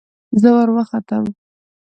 زه وروختم.